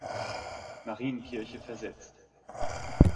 Marienkirche versetzt.